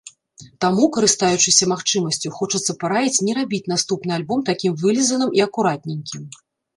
Таму, карыстаючыся магчымасцю, хочацца параіць не рабіць наступны альбом такім вылізаным і акуратненькім.